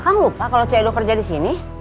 kau lupa kalau cik edo kerja disini